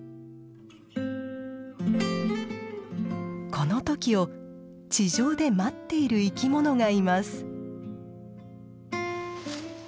この時を地上で待っている生き物がいます。